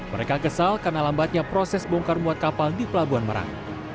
mereka kesal karena lambatnya proses bongkar muat kapal di pelabuhan merak